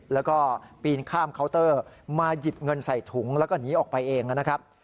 แล้วก็ปีนข้ามเคาน์เตอร์มาหยิบเงินใส่ถุงแล้วก็หนีออกไปเองนะครับ